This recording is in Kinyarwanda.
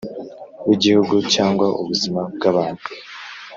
w Igihugu cyangwa ubuzima bw abantu